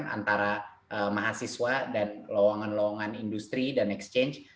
antara mahasiswa dan lowongan lowongan industri dan exchange